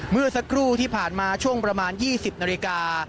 เมื่อสักครู่ที่ผ่านมาช่วงประมาณ๒๐นาฬิกา